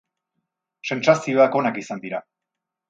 Sentsazioak onak izan dira.